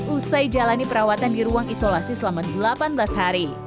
usai jalani perawatan di ruang isolasi selama delapan belas hari